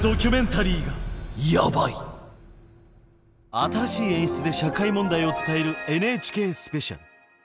新しい演出で社会問題を伝える「ＮＨＫスペシャル」。